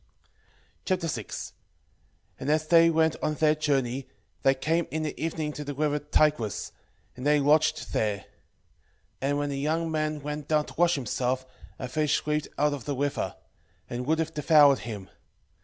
6:1 And as they went on their journey, they came in the evening to the river Tigris, and they lodged there. 6:2 And when the young man went down to wash himself, a fish leaped out of the river, and would have devoured him.